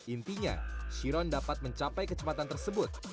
intinya chiron dapat mencapai kecepatan tersebut